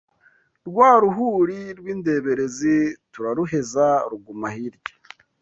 Rwa ruhuri rw’ indeberezi Turaruheza ruguma hirya